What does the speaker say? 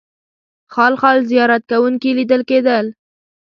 خال خال زیارت کوونکي لیدل کېدل.